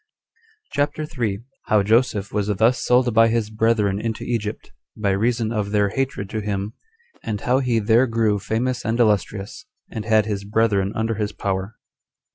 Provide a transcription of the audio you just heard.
CHAPTER 3. How Joseph Was Thus Sold By His Brethren Into Egypt, By Reason Of Their Hatred To Him; And How He There Grew Famous And Illustrious And Had His Brethren Under His Power.